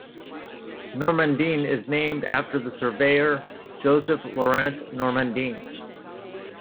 Normandin is named after the surveyor Joseph-Laurent Normandin.